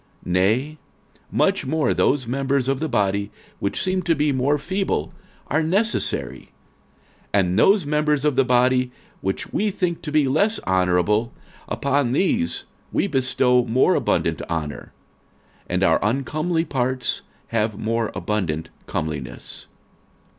46:012:022 Nay, much more those members of the body, which seem to be more feeble, are necessary: 46:012:023 And those members of the body, which we think to be less honourable, upon these we bestow more abundant honour; and our uncomely parts have more abundant comeliness.